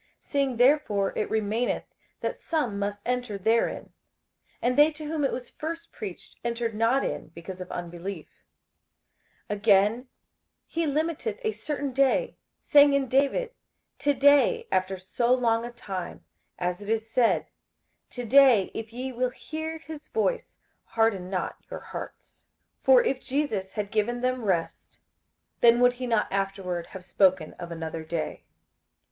58:004:006 Seeing therefore it remaineth that some must enter therein, and they to whom it was first preached entered not in because of unbelief: 58:004:007 Again, he limiteth a certain day, saying in David, To day, after so long a time; as it is said, To day if ye will hear his voice, harden not your hearts. 58:004:008 For if Jesus had given them rest, then would he not afterward have spoken of another day.